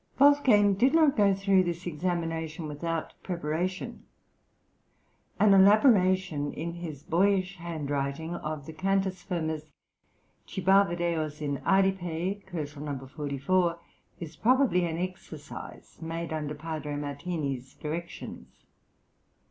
Wolfgang did not go through this examination without preparation. An elaboration in his boyish handwriting of the Cantus firmus "Cibavit eos in adipe" (44 K.) is probably an exercise made under Padre Martini's directions.